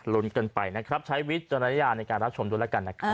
ลุ้นกันไปนะครับใช้วิจารณญาณในการรับชมด้วยแล้วกันนะครับ